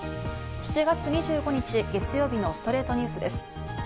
７月２５日、月曜日の『ストレイトニュース』です。